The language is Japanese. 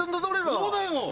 そうだよ。